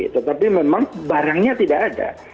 tetapi memang barangnya tidak ada